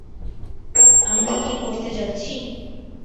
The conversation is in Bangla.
আমরা কি করতে যাচ্ছি?